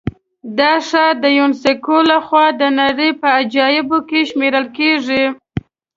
دا ښار د یونسکو له خوا د نړۍ په عجایبو کې شمېرل کېږي.